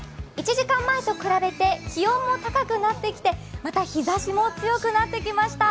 １時間前と比べて、気温も高くなってきてまた日ざしも強くなってきました。